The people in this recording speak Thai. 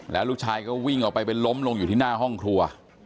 แล้วลูกชายก็วิ่งออกไปเป็นล้มลงอยู่ที่หน้าห้องครัว